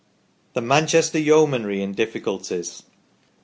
THE MANCHESTER YEOMANRY IN DIFFICULTIES.